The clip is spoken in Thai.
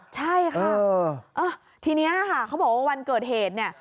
ใช่ค่ะทีนี้ค่ะเขาบอกว่าวันเกิดเหตุเนี่ย